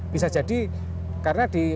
bisa jadi karena di